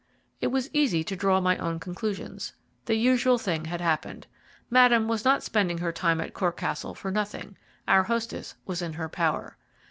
It was easy to draw my own conclusions. The usual thing had happened. Madame was not spending her time at Cor Castle for nothing our hostess was in her power.